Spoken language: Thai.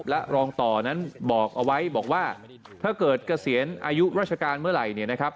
และรองต่อนั้นบอกเอาไว้บอกว่าถ้าเกิดเกษียณอายุราชการเมื่อไหร่เนี่ยนะครับ